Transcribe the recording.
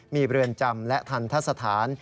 มีเรือนจำและทันทะสถาน